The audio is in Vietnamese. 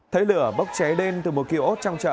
thấy lửa bốc cháy đen từ một kia ốt trong chợ